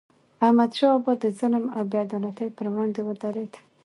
احمد شاه بابا د ظلم او بې عدالتی پر وړاندې ودرید.